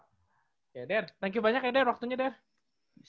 oke eder thank you banyak eder waktunya eder